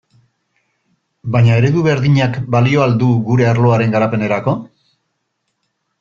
Baina eredu berdinak balio al du gure arloaren garapenerako?